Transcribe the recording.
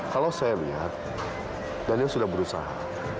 kalau saya lihat daniel sudah berusaha